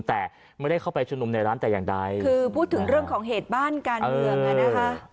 แต่ไม่ได้เข้าไปชุมนุมในร้านแต่อย่างใดคือพูดถึงเรื่องของเหตุบ้านการเมืองอ่ะนะคะ